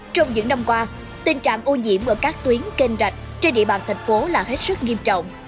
trong những năm qua tình trạng ô nhiễm ở các tuyến kênh rạch trên địa bàn thành phố là hết sức nghiêm trọng